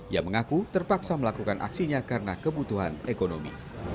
ia mengaku terpaksa melakukan aksinya karena kebutuhan ekonomi